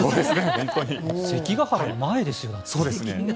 関ケ原の前ですよ。